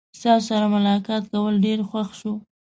ستاسو سره ملاقات کول ډیر خوښ شو.